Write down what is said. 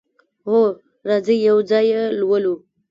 هو، راځئ یو ځای یی لولو